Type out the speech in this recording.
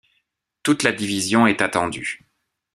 Toute la division est attendue.